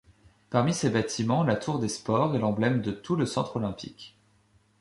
Parmi ces bâtiments, la tour des Sports est l’emblème de tout le centre olympique.